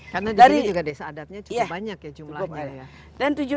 karena disini juga desa adatnya cukup banyak